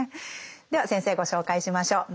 では先生ご紹介しましょう。